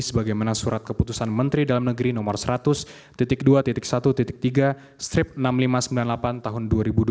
sebagaimana surat keputusan menteri dalam negeri nomor seratus dua satu tiga strip enam ribu lima ratus sembilan puluh delapan tahun dua ribu dua puluh